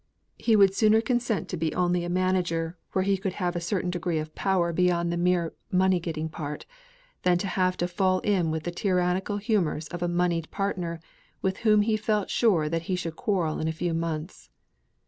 He would sooner consent to be only a manager, where he could have a certain degree of power beyond the mere money getting part, than have to fall in with the tyrannical humours of a moneyed partner with whom he felt sure that he should quarrel in a few months.